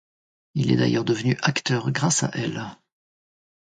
Il est d'ailleurs devenu acteur grâce à elle.